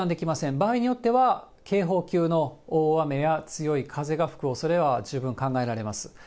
場合によっては、警報級の大雨や強い風が吹くおそれは十分考えられます。